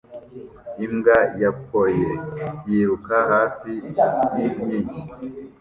Imbwa ya Collie yiruka hafi yinkingi